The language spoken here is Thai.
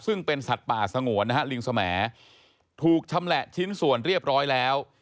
ซึ่งเป็นสัตว์ป่าสงวนนะฮะลิงสแหมดถูกชำแหละชิ้นส่วนเรียบร้อยแล้ว